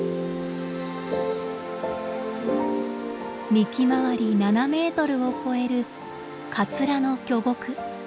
幹回り７メートルを超えるカツラの巨木。